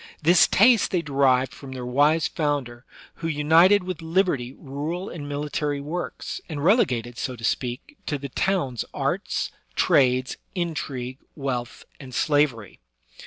This taste they derived from their wise founder, who united with liberty rural and military works, and relegated, so to speak, to the towns arts, trades, intrigue, wealth, and slavery.